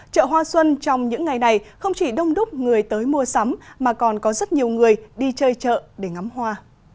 chợ hoa xuân trong những ngày này không chỉ đông đúc người tới mua sắm mà còn có rất nhiều người đi chơi chợ để ngắm hoa